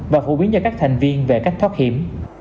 và phổ biến cho các thành viên về cách thoát hiểm